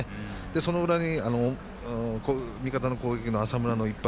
その裏に、味方の攻撃浅村の一発。